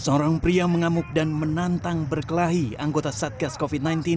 seorang pria mengamuk dan menantang berkelahi anggota satgas covid sembilan belas